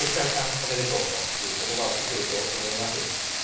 おめでとうという言葉をかけると思います。